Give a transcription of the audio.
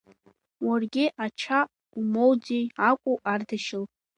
Уаргьы ача умоуӡеит акәу, Ардашьыл?